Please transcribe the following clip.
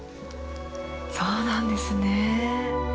そうなんですね。